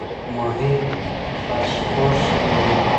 ماهي فاسفورس لري.